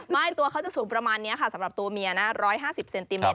ตัวเขาจะสูงประมาณนี้ค่ะสำหรับตัวเมียนะ๑๕๐เซนติเมต